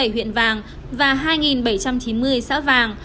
hai trăm tám mươi bảy huyện vàng và hai bảy trăm chín mươi xã vàng